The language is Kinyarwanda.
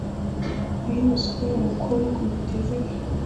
Iyo umusweye mukundwa unyita izina